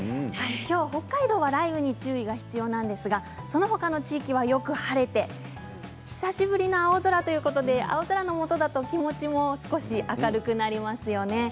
北海道は雷雨に注意が必要なんですがそのほかの地域は、よく晴れて久しぶりの青空ということで青空のもとだと気持ちも少し明るくなりますよね。